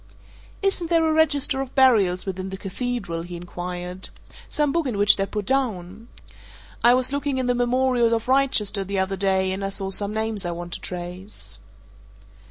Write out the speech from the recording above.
"Isn't there a register of burials within the Cathedral?" he inquired. "Some book in which they're put down? I was looking in the Memorials of Wrychester the other day, and I saw some names I want to trace."